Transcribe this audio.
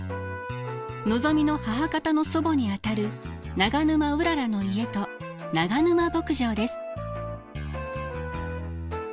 のぞみの母方の祖母にあたる長沼うららの家と長沼牧場です。